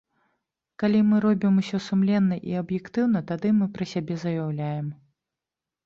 Калі мы робім усё сумленна і аб'ектыўна, тады мы пра сябе заяўляем.